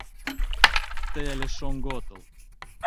— Тый але шоҥго отыл.